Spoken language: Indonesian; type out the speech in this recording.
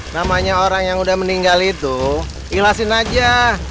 namanya orang yang udah meninggal itu ilasin aja